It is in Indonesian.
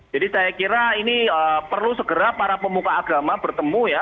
jadi saya kira ini perlu segera para pemuka agama bertemu ya